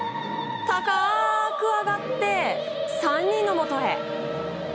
高く上がって３人のもとへ。